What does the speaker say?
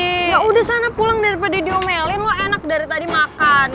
yaudah sana pulang daripada diomelin lo enak dari tadi makan